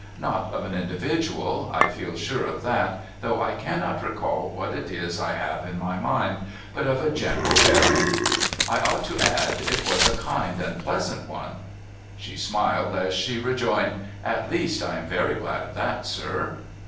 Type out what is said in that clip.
Not of an individual — I feel sure of that, though I cannot recall what it is I have in my mind — but of a general bearing. I ought to add, it was a kind and pleasant one.' She smiled, as she rejoined :' At least, I am very glad of that, sir.'